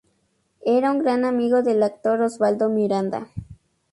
Era un gran amigo del actor Osvaldo Miranda.